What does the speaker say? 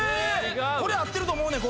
これ合ってると思うねん。